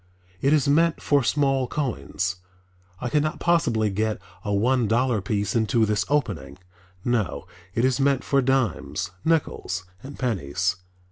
It is meant for small coins, I could not possibly get a one dollar piece into this opening. No, it is meant for dimes, nickels and pennies.